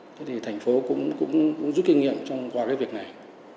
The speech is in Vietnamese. thế thì thành phố cũng giúp kinh nghiệm qua cái việc này